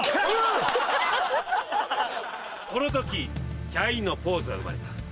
この時キャインのポーズは生まれた。